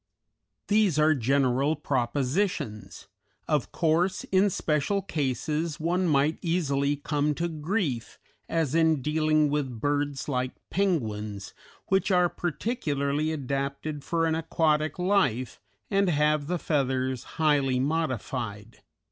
These as general propositions; of course, in special cases, one might easily come to grief, as in dealing with birds like penguins, which are particularly adapted for an aquatic life, and have the feathers highly modified.